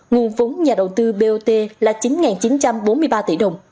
nguồn vốn nhà đầu tư bot là chín chín trăm bốn mươi ba tỷ đồng